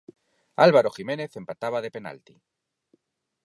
Álvaro Jiménez empataba de penalti.